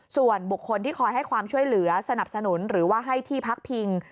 ส่วนบุคคลที่คอยให้ความช่วยเหลือสนับสนุนหรือว่าให้ที่พักพิง